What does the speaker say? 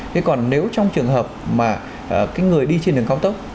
thế còn nếu trong trường hợp mà người đi trên đường góc tốc